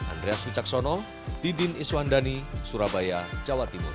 andreas wicaksono didin iswandani surabaya jawa timur